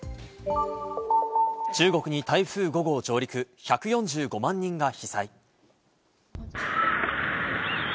中国に台風５号上陸、１４５万人が被災。